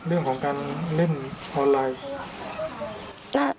เรื่องของการเล่นออนไลน์